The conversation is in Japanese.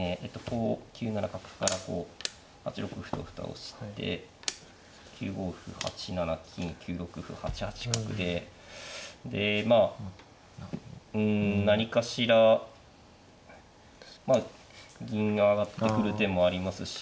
こう９七角からこう８六歩と蓋をして９五歩８七金９六歩８八角ででまあうん何かしらまあ銀が上がってくる手もありますし。